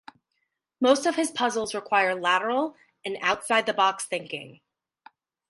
Most of his puzzles require lateral and "outside the box" thinking.